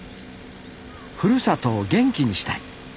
ふるさとを元気にしたい。